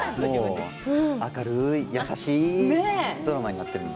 明るい優しいドラマになっています。